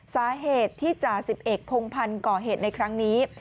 สาเหตุที่จ่า๑๑ผงพันก่อเหตุในครั้งนี้